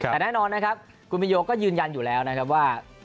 แต่แน่นอนคุณบินโยก็ยืนยันอยู่แล้วว่า